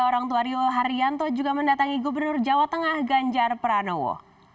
orang tua rio haryanto juga mendatangi gubernur jawa tengah ganjar pranowo